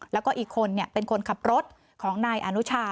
แล้วก็อีกคนเป็นคนขับรถของนายอนุชา